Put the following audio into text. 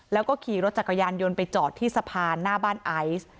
แล้วก็ขี่รถจักรยานยนต์ไปจอดที่สะพานหน้าบ้านไอซ์